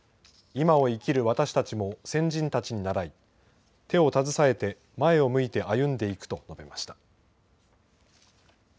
今を生きる私たちも先人たちにならい手を携えて前を向いて歩んでいくと述べました。